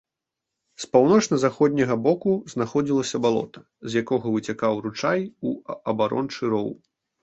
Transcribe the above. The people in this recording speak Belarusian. З паўночна-заходняга боку знаходзілася балота, з якога выцякаў ручай у абарончы роў.